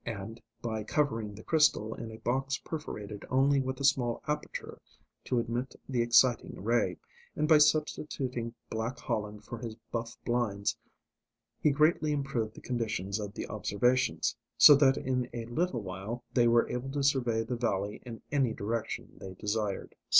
And, by covering the crystal in a box perforated only with a small aperture to admit the exciting ray, and by substituting black holland for his buff blinds, he greatly improved the conditions of the observations; so that in a little while they were able to survey the valley in any direction they desired.